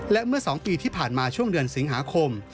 และเมื่อ๒ปีที่ผ่านมาช่วงเดือนสิงหาคม